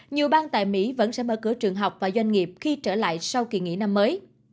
nhiều bang tại mỹ vẫn sẽ mở cửa trường học và doanh nghiệp khi trở lại sau kỳ nghỉ năm mới